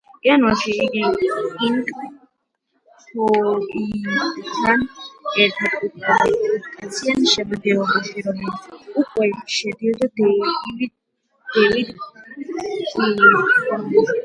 იანვარში იგი პინკ ფლოიდთან ერთად უკრავდა, ხუთკაციან შემადგენლობაში, რომელშიც უკვე შედიოდა დევიდ გილმორი.